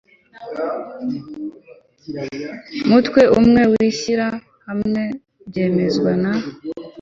mutwe umwe kwishyira hamwe byemezwa na